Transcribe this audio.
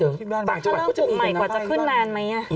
ถ้าเริ่มปลูกใหม่กว่าจะขึ้นนานไหม